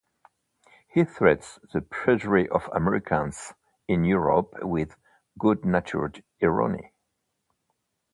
He treats the prudery of Americans in Europe with good-natured irony.